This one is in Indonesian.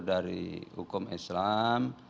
dari hukum islam